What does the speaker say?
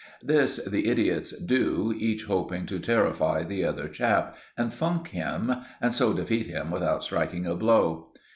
This the idiots do, each hoping to terrify the other chap, and funk him, and so defeat him without striking a blow.